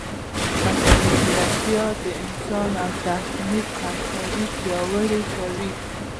مصنوعي ځیرکتیا د انسان او تخنیک همکاري پیاوړې کوي.